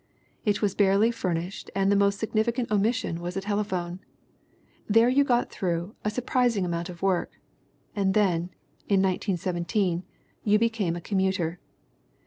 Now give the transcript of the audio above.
It was barely furnished and the most significant omission was a telephone. There you got through "a surprising amount of work." And then, in 1917, you became a commuter.